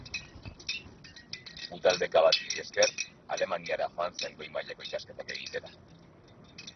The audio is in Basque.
Udal-beka bati esker, Alemaniara joan zen goi-mailako ikasketak egitera.